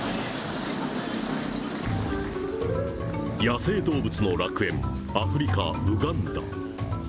野生動物の楽園、アフリカ・ウガンダ。